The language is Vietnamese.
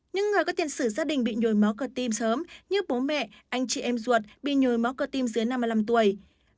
những người có tiền sử gia đình bị nhồi máu cơ tim sớm như bố mẹ anh chị em ruột bị nhồi máu cơ tim dưới năm mươi năm tuổi